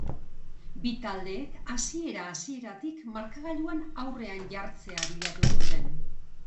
Bi taldeek hasiera-hasieratik markagailuan aurrean jartzea bilatu zuten.